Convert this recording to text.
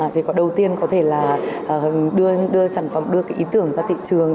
thì có đầu tiên có thể là đưa sản phẩm đưa cái ý tưởng ra thị trường